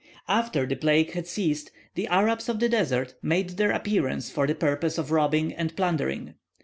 After the plague had ceased, the Arabs of the desert made their appearance for the purpose of robbing and plundering.